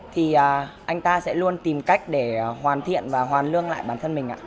thì anh ta sẽ luôn tìm cách để hoàn thiện và hoàn lương lại bản thân mình ạ